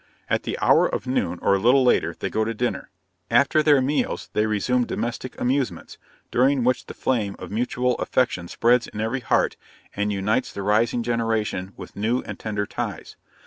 At the hour of noon, or a little later, they go to dinner. After their meals they resume their domestic amusements, during which the flame of mutual affection spreads in every heart, and unites the rising generation with new and tender ties.